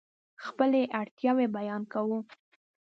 خپلې اړتیاوې بیان کوو.